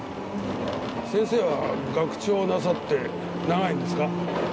先生は学長をなさって長いんですか？